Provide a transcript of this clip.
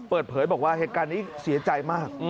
เปิดเผยบอกว่าเหตุการณ์นี้เสียใจมาก